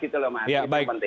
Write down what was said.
itu yang penting